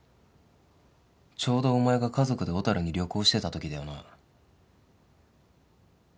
ちょうどお前が家族で小樽に旅行してたときだよな。